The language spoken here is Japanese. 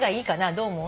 どう思う？